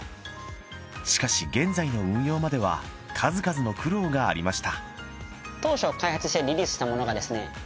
しかし現在の運用までは数々の苦労がありました